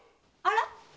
あら？